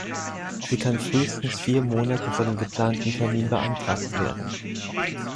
Sie kann frühestens vier Monate vor dem geplanten Termin beantragt werden.